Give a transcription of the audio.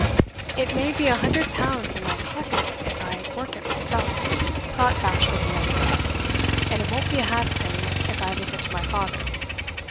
"It may be a hundred pounds in my pocket if I work it myself," thought Bashwood the younger. "And it won't be a half penny if I leave it to my father."